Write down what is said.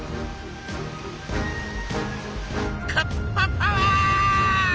カッパパワーッ！